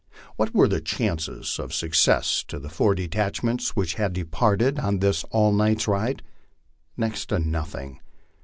What were the chances of success to the four detachments which had departed on this all night's ride? Next to nothing.